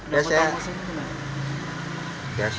bapak mau tahu masa ini kenapa